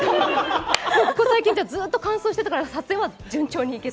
ここ最近、ずっと乾燥してたから撮影は順調にいけた？